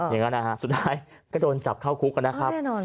อย่างนั้นนะฮะสุดท้ายก็โดนจับเข้าคุกนะครับ